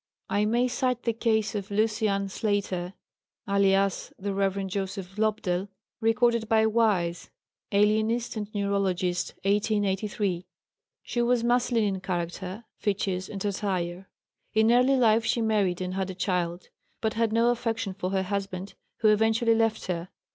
I may cite the case of Lucy Ann Slater, alias the Rev. Joseph Lobdell, recorded by Wise (Alienist and Neurologist, 1883). She was masculine in character, features, and attire. In early life she married and had a child, but had no affection for her husband, who eventually left her.